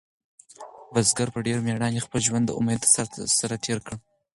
بزګر په ډېرې مېړانې خپل ژوند د امید سره تېر کړ.